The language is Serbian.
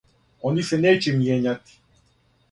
Они се неће мијењати.